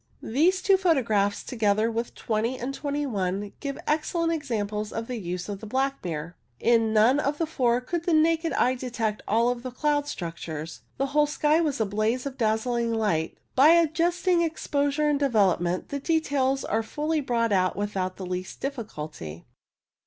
These two photographs, together with 20 and 21, give excel lent examples of the use of the black mirror. In none of the four could the naked eye detect all of the cloud structures. The whole sky was a blaze of dazzling light, but by adjusting exposure and development the details are fully brought out without the least difficulty.